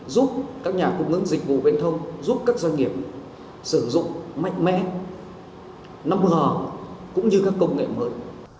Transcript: giúp các nhà cung ứng dịch vụ viễn thông giúp các doanh nghiệp sử dụng mạnh mẽ năm g cũng như các công nghệ mới